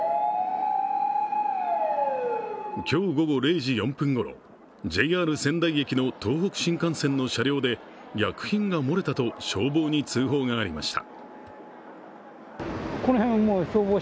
今日午後０時４分ごろ、ＪＲ仙台駅の東北新幹線の車両で薬品が漏れたと消防に通報がありました。